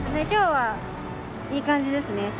今日はいい感じですね。